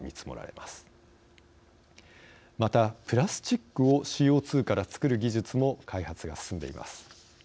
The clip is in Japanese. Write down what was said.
また、プラスチックをＣＯ２から作る技術も開発が進んでいます。